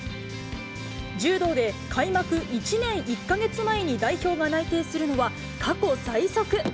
柔道で開幕１年１か月前に代表が内定するのは、過去最速。